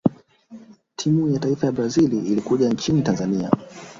timu ya taifa ya brazil ilikuja nchini tanzania